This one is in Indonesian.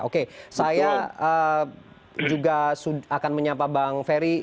oke saya juga akan menyapa bang ferry